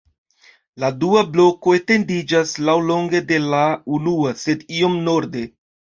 La dua bloko etendiĝas laŭlonge de la unua, sed iom norde.